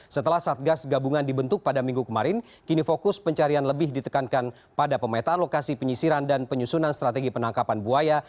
setelah satgas gabungan dibentuk pada minggu kemarin kini fokus pencarian lebih ditekankan pada pemetaan lokasi penyisiran dan penyusunan strategi penangkapan buaya